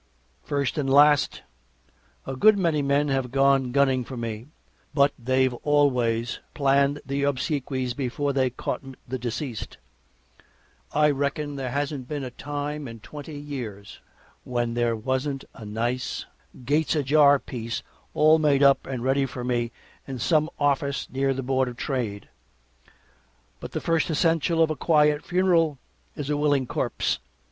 First and last, a good many men have gone gunning for me, but they've always planned the obsequies before they caught the deceased. I reckon there hasn't been a time in twenty years when there wasn't a nice "Gates Ajar" piece all made up and ready for me in some office near the Board of Trade. But the first essential of a quiet funeral is a willing corpse.